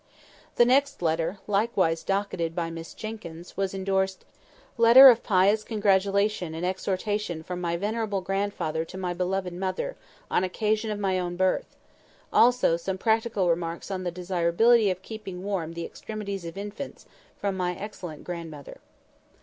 The next letter, likewise docketed by Miss Jenkyns, was endorsed, "Letter of pious congratulation and exhortation from my venerable grandfather to my beloved mother, on occasion of my own birth. Also some practical remarks on the desirability of keeping warm the extremities of infants, from my excellent grandmother."